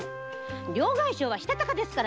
両替商はしたたかですからね。